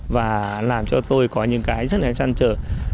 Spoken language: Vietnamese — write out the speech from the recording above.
và làm cho tôi có những cái rất là chăn trở